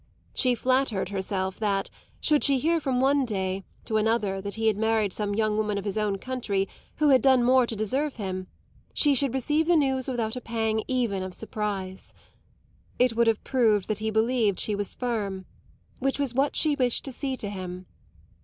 She flattered herself that, should she hear from one day to another that he had married some young woman of his own country who had done more to deserve him, she should receive the news without a pang even of surprise. It would have proved that he believed she was firm which was what she wished to seem to him.